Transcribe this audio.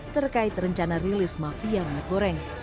terkait rencana rilis mafia minyak goreng